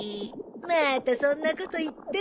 またそんなこと言って！